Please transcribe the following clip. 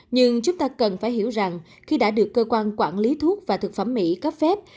nhưng chúng ta cần phải hiểu rằng khi đã được cơ quan quản lý thuốc và thực phẩm mỹ cấp phép